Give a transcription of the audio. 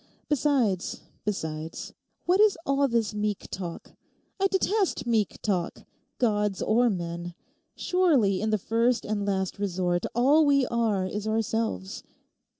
Besides, besides; what is all this meek talk? I detest meek talk—gods or men. Surely in the first and last resort all we are is ourselves.